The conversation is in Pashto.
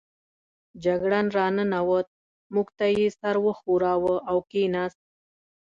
جګړن را ننوت، موږ ته یې سر و ښوراوه او کېناست.